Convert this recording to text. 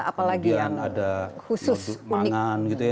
apalagi yang khusus unik